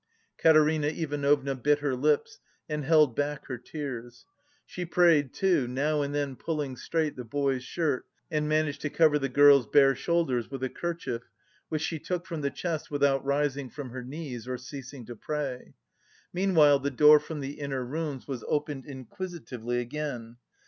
Katerina Ivanovna bit her lips and held back her tears; she prayed, too, now and then pulling straight the boy's shirt, and managed to cover the girl's bare shoulders with a kerchief, which she took from the chest without rising from her knees or ceasing to pray. Meanwhile the door from the inner rooms was opened inquisitively again.